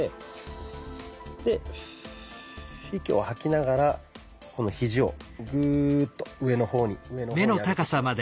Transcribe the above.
で息を吐きながらこのひじをグーッと上の方に上の方に上げていきます。